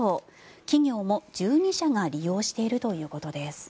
企業も１２社が利用しているということです。